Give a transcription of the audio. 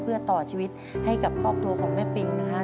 เพื่อต่อชีวิตให้กับครอบครัวของแม่ปิงนะฮะ